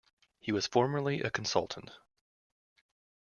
He was formerly a consultant.